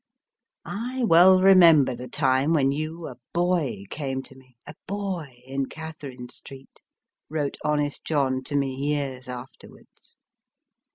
I well remember the time when you, a boy, came to me, a boy, in Catherine Street/ wrote honest John to me years afterwards.